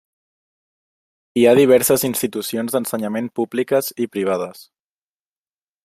Hi ha diverses institucions d'ensenyament públiques i privades.